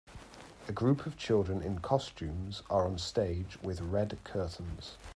A group of children in costumes are on a stage with red curtains.